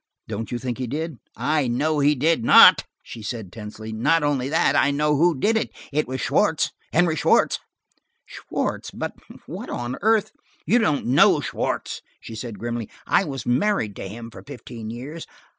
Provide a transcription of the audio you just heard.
"Don't you think he did?" "I know he did not," she said tensely. "Not only that: I know who did it. It was Schwartz–Henry Schwartz." "Schwartz! But what on earth–" "You don't know Schwartz," she said grimly. "I was married to him for fifteen years.